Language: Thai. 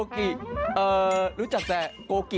ไม่รู้จัก